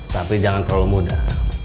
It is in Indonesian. tapi jangan terlalu muda